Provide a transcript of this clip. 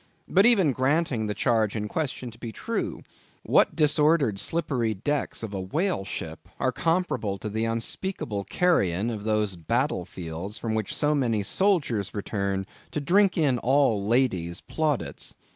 But even granting the charge in question to be true; what disordered slippery decks of a whale ship are comparable to the unspeakable carrion of those battle fields from which so many soldiers return to drink in all ladies' plaudits?